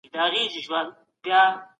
هر څوک باید د خبرو په وخت کي نرم وي.